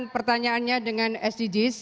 pertanyaannya dengan sdgs